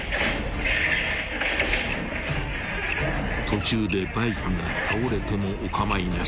［途中でバイクが倒れてもお構いなし］